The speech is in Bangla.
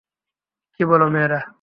কি বলো, মেয়েরা?